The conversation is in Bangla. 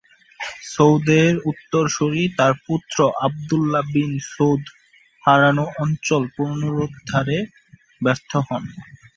সৌদের উত্তরসুরি তার পুত্র আবদুল্লাহ বিন সৌদ হারানো অঞ্চল পুনরুদ্ধারে ব্যর্থ হন।